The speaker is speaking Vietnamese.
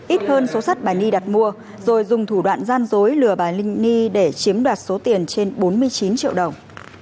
ít hơn số sát bà nhi đặt mua rồi dùng thủ đoạn gian dối lừa bà nhi để chiếm đoạt số tiền trên bốn mươi chín triệu đồng